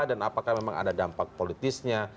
dan apakah memang ada dampak politisnya